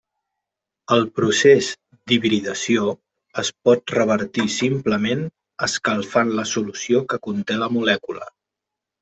El procés d'hibridació es pot revertir simplement escalfant la solució que conté a la molècula.